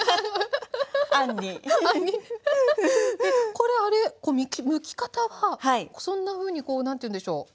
これあれむき方はそんなふうにこう何ていうんでしょう